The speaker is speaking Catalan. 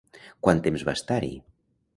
Quant temps va estar-hi?